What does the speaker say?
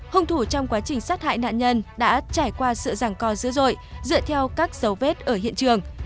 hung thủ trong quá trình sát hại nạn nhân đã trải qua sự ràng co dữ dội dựa theo các dấu vết ở hiện trường